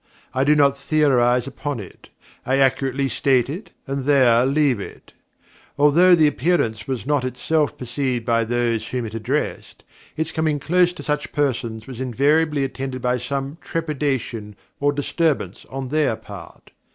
I do not theorize upon it; I accurately state it, and there leave it. Although the Appearance was not itself perceived by those whom it addressed, its coming close to such persons was invariably attended by some trepidation or disturbance on their part.